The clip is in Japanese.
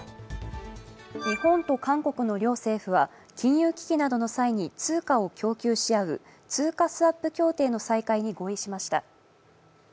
日本と韓国の両政府は金融危機などの際に通貨を供給し合う通貨スワップ協定の再開に合意しました。